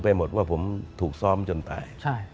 หมดว่าผมถูกซ้อมจนตาย